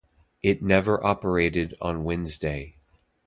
It never operated on Wednesday.